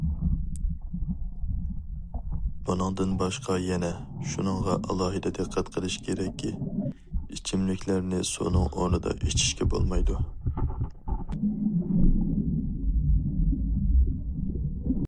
بۇنىڭدىن باشقا يەنە، شۇنىڭغا ئالاھىدە دىققەت قىلىش كېرەككى، ئىچىملىكلەرنى سۇنىڭ ئورنىدا ئىچىشكە بولمايدۇ.